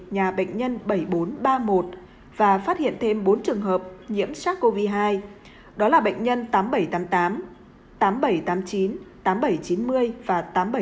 nhà bệnh nhân bảy nghìn bốn trăm ba mươi một và phát hiện thêm bốn trường hợp nhiễm sars cov hai đó là bệnh nhân tám nghìn bảy trăm tám mươi tám tám nghìn bảy trăm tám mươi chín tám nghìn bảy trăm chín mươi và tám trăm bảy mươi chín